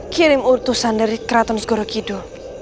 kirim urtusan dari kraton segorokido